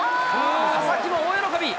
佐々木も大喜び。